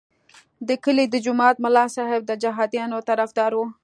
د کلي د جومات ملا صاحب د جهادیانو طرفدار وو.